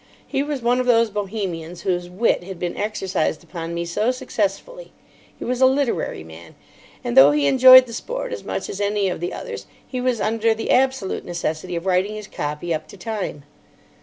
He was one of those Bohemians whose wit had been exercised upon me so successfully. He was a literary man, and though he enjoyed the sport as much as any of the others he was under the absolute necessity of writing his copy up to time.